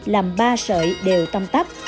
làm ba sợi đều tăm tắp